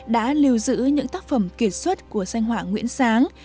đã lưu giữ những tác phẩm kiệt xuất của danh họa nguyễn sáng